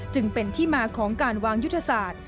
จึงเป็นที่มาของการวางยุทธศาสตร์